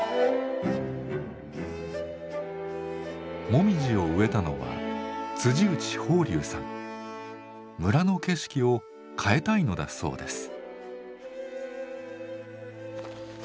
もみじを植えたのは村の景色を変えたいのだそうです。